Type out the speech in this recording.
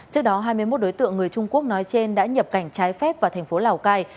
trước đó hai mươi một đối tượng người trung quốc nói trên đã nhập cảnh trái phép vào thành phố lào cai